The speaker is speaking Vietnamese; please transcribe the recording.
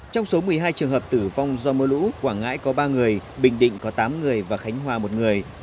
trong số một mươi hai trường hợp tử vong do mưa lũ quảng ngãi có ba người bình định có tám người và khánh hòa một người